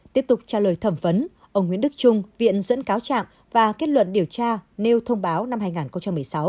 tiếp tục trả lời thẩm vấn ông nguyễn đức trung viện dẫn cáo trạng và kết luận điều tra nêu thông báo năm hai nghìn một mươi sáu